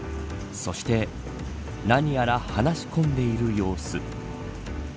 そして何やら話し込んでいる様子。